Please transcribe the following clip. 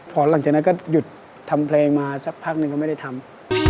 พอหลังจากนั้นก็หยุดทำเพลงมาสักพักหนึ่งก็ไม่ได้ทำ